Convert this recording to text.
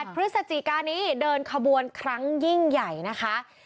พฤศจิกานี้เดินขบวนครั้งยิ่งใหญ่นะคะ